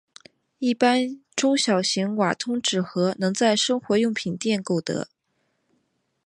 一般中小型瓦通纸盒能在生活用品店购得。